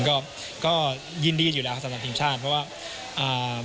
ก็ก็ยินดีอยู่แล้วสำหรับทีมชาติเพราะว่าอ่า